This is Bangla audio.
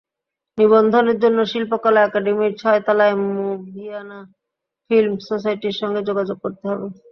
নিবন্ধনের জন্য শিল্পকলা একাডেমির ছয়তলায় ম্যুভিয়ানা ফিল্ম সোসাইটির সঙ্গে যোগাযোগ করতে হবে।